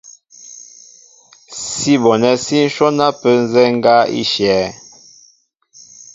Sí bonɛ́ sí ǹhwɔ́n ápə́ nzɛ́ɛ́ ŋgá í shyɛ̄.